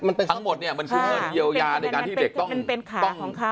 ทั้งหมดเนี่ยมันคือเงินเยียวยาในการที่เด็กต้องของเขา